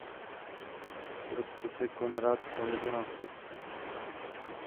Po smrti otce se Konrád stal jeho nástupcem.